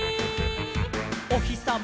「おひさま